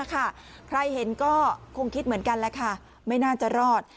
ใครเห็นก็คงคิดเหมือนกันแหละค่ะไม่น่าจะรอด